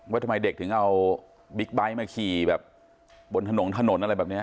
ว่าทำไมเด็กถึงเอาบิ๊กไบท์มาขี่แบบบนถนนถนนอะไรแบบนี้